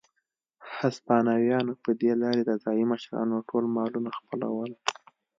هسپانویانو په دې لارې د ځايي مشرانو ټول مالونه خپلول.